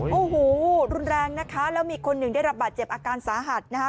โอ้โหรุนแรงนะคะแล้วมีคนหนึ่งได้รับบาดเจ็บอาการสาหัสนะคะ